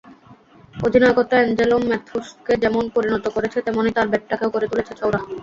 অধিনায়কত্ব অ্যাঞ্জেলো ম্যাথুসকে যেমন পরিণত করেছে, তেমনি তাঁর ব্যাটটাকেও করে তুলেছে চওড়া।